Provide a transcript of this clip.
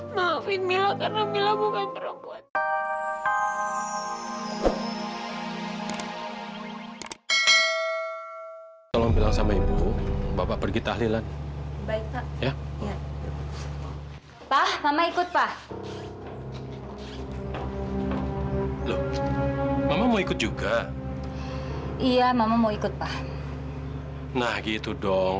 maafin mila karena mila bukan perempuan